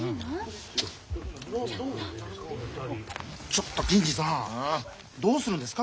ちょっと銀次さんどうするんですか？